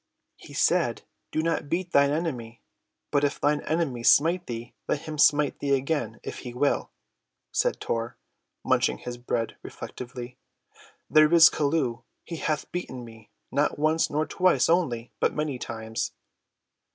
"He said, 'Do not beat thine enemy; but if thine enemy smite thee, let him smite thee again, if he will,'" said Tor, munching his bread reflectively. "There is Chelluh; he hath beaten me, not once nor twice only, but many times."